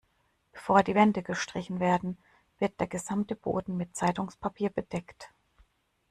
Bevor die Wände gestrichen werden, wird der gesamte Boden mit Zeitungspapier bedeckt.